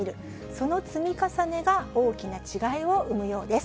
その積み重ねが大きな違いを生むようです。